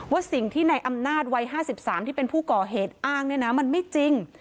ว่าสิ่งที่ในอำนาจวัย๕๓ที่เป็นผู้ก่อเหตุอ้างเนี่ยนะมันไม่จริง